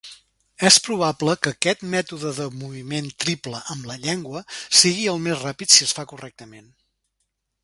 És probable que aquest mètode de moviment triple amb la llengua sigui el més ràpid si es fa correctament.